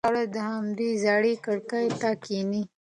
هغه هره ورځ همدې زړې کړکۍ ته کښېني.